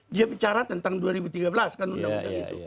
dia bicara tentang dua ribu tiga belas kan undang undang itu